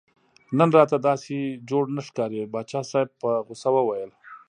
نن راته داسې جوړ نه ښکارې پاچا صاحب په غوسه وویل.